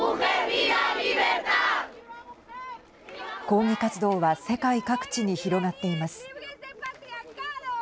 抗議活動は世界各地に広がっています。